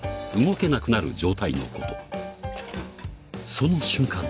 その瞬間